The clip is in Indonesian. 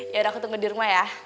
ya udah aku tunggu di rumah ya